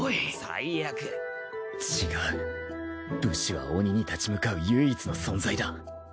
武士は鬼に立ち向かう唯一の存在だ。